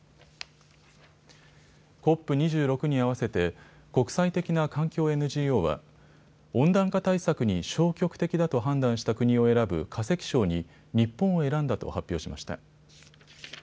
ＣＯＰ２６に合わせて国際的な環境ＮＧＯは温暖化対策に消極的だと判断した国を選ぶ化石賞に日本を選んだと発表しました。